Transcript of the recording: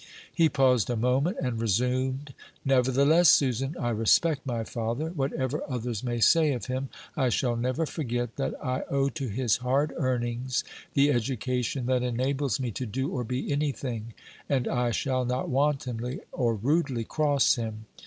He paused a moment, and resumed: "Nevertheless, Susan, I respect my father; whatever others may say of him, I shall never forget that I owe to his hard earnings the education that enables me to do or be any thing, and I shall not wantonly or rudely cross him.